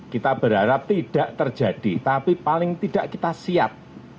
kita berharap tidak terjadi tapi paling tidak kita siap